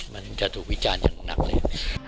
มันจะถูกวิจารณ์อย่างหนักเลย